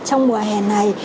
trong mùa hè này